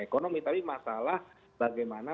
ekonomi tapi masalah bagaimana